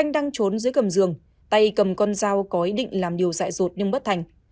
đang trốn dưới cầm giường tay cầm con dao có ý định làm điều dạy rột nhưng bất thành